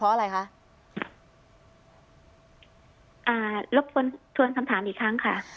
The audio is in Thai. เพราะอะไรคะอ่ารบกวนชวนคำถามอีกครั้งค่ะ